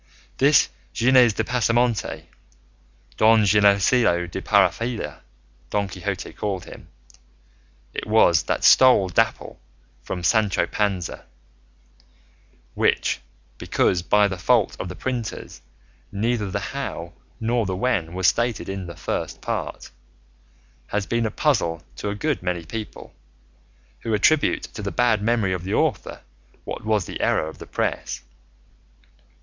This Gines de Pasamonte Don Ginesillo de Parapilla, Don Quixote called him it was that stole Dapple from Sancho Panza; which, because by the fault of the printers neither the how nor the when was stated in the First Part, has been a puzzle to a good many people, who attribute to the bad memory of the author what was the error of the press.